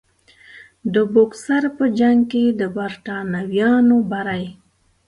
د بوکسر په جنګ کې د برټانویانو بری.